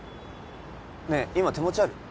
ねえ今手持ちある？